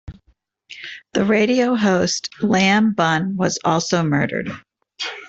The radio host Lam Bun was also murdered.